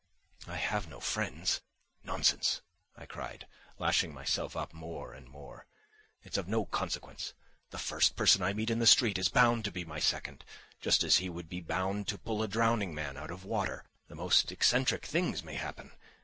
I have no friends. Nonsense!" I cried, lashing myself up more and more. "It's of no consequence! The first person I meet in the street is bound to be my second, just as he would be bound to pull a drowning man out of water. The most eccentric things may happen.